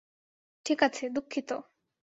ঠিক আছে, দুঃখিত।